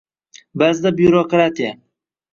Baʼzida byurokratiya.